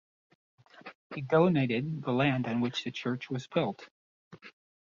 He donated the land on which the church was built.